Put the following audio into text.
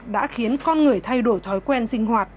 đã khiến con người thay đổi thói quen sinh hoạt